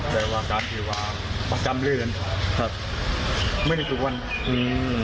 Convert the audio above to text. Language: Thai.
แต่ว่าการผิวอ่ะประจำเรื่องครับไม่ได้ทุกวันอืม